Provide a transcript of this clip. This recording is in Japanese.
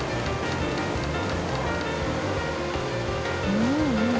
うんうん。